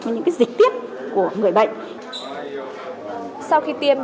với những dịch tiết của người bệnh